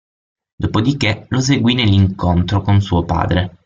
Dopodiché, lo seguì nell'incontro con suo padre.